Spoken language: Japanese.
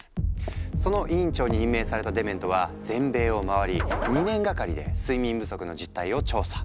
その委員長に任命されたデメントは全米を回り２年がかりで睡眠不足の実態を調査。